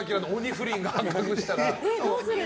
不倫が発覚したら。